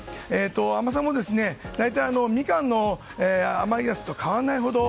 甘さも大体ミカンの甘いやつと変わらないほど。